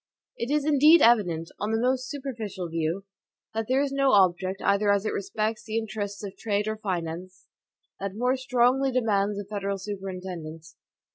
It is indeed evident, on the most superficial view, that there is no object, either as it respects the interests of trade or finance, that more strongly demands a federal superintendence.